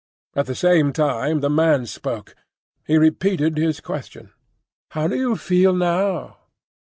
At the same time the man spoke. He repeated his question,—"How do you feel now?"